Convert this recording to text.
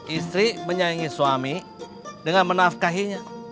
istri menyaingi suami dengan menafkahinya